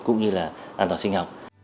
cũng như là an toàn sinh học